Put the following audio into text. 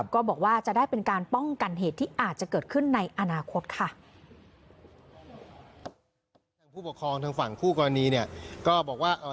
ก็บอกว่าจะได้เป็นการป้องกันเหตุที่อาจจะเกิดขึ้นในอนาคตค่ะ